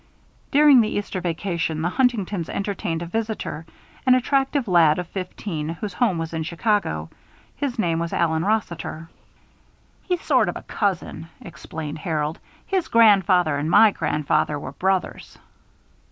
During the Easter vacation, the Huntingtons entertained a visitor, an attractive lad of fifteen, whose home was in Chicago. His name was Allen Rossiter. "He's sort of a cousin," explained Harold. "His grandfather and my grandfather were brothers."